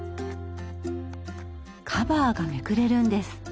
カバーがめくれるんです。